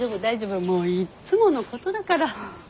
もういっつものことだから。